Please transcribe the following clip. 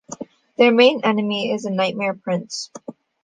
Their main enemy is the Nightmare Prince.